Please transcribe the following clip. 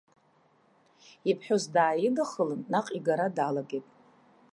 Иԥҳәыс дааидыххылан, наҟ игара далагеит.